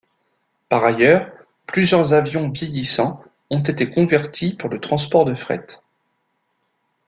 Par ailleurs, plusieurs avions vieillissants ont été convertis pour le transport de fret.